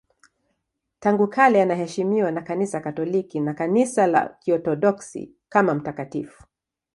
Tangu kale anaheshimiwa na Kanisa Katoliki na Kanisa la Kiorthodoksi kama mtakatifu.